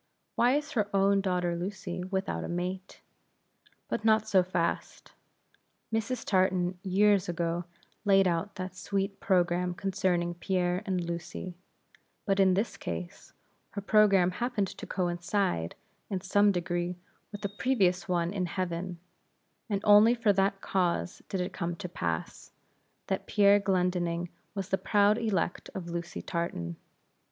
Why is her own daughter Lucy without a mate? But not so fast; Mrs. Tartan years ago laid out that sweet programme concerning Pierre and Lucy; but in this case, her programme happened to coincide, in some degree, with a previous one in heaven, and only for that cause did it come to pass, that Pierre Glendinning was the proud elect of Lucy Tartan.